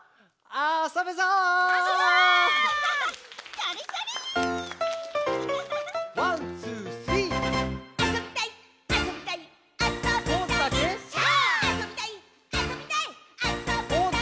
「あそびたいっ！」